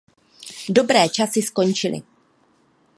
Dobré časy skončily.